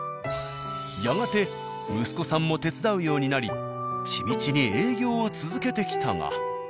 やがて息子さんも手伝うようになり地道に営業を続けてきたが。